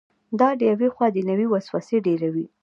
دا له یوې خوا دنیوي وسوسې ډېروي.